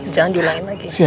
jangan diulangi lagi